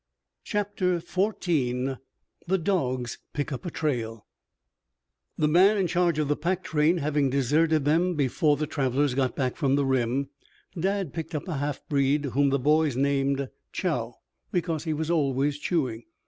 CHAPTER XIV THE DOGS PICK UP A TRAIL The man in charge of the pack train having deserted them before the travelers got back from the rim, Dad picked up a half breed whom the boys named Chow, because he was always chewing.